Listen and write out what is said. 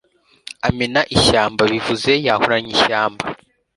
amena ishyamba bivuze yahuranya ishyamba